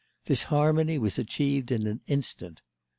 This harmony was achieved in an instant.